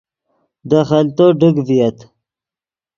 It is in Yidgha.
دے خلتو ڈک ڤییت